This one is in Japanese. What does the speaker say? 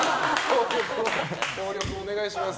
協力お願いします。